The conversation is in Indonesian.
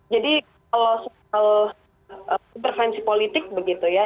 jadi kalau soal intervensi politik begitu ya